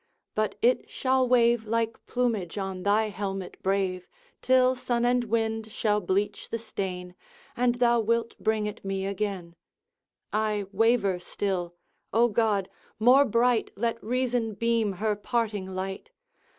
but it shall wave Like plumage on thy helmet brave, Till sun and wind shall bleach the stain, And thou wilt bring it me again. I waver still. O God! more bright Let reason beam her parting light!